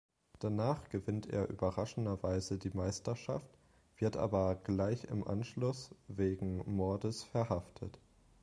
Danach gewinnt er überraschenderweise die Meisterschaft, wird aber gleich im Anschluss wegen Mordes verhaftet.